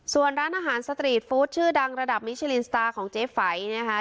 ส่วนร้านอาหารสตรีทฟู้ดชื่อดังระดับมิชลินสตาร์ของเจ๊ไฝนะคะ